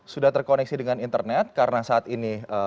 sudah terkoneksi dengan internet karena saat ini